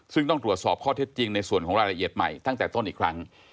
ซึ่งต้องตรวจสอบข้อเท็จจริงในส่วนของรายละเอียดใหม่ตั้งแต่ต้นอีกครั้ง